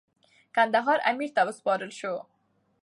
کندهار امیر ته وسپارل سو.